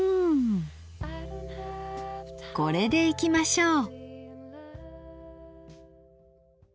これでいきましょう。